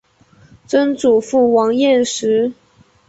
曾祖父王彦实。